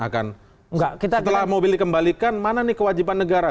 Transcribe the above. setelah mobil dikembalikan mana nih kewajiban negara